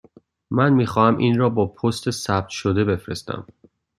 من می خواهم این را با پست ثبت شده بفرستم.